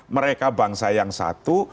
mereka bangsa yang satu